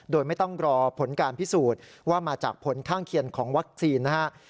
โดยไม่ต้องรอผลการพิสูจน์ว่ามาจากผลข้างเคียงของวัคซีนนะครับ